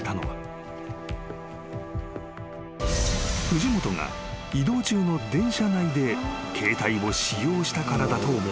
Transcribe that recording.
［藤本が移動中の電車内で携帯を使用したからだと思われた］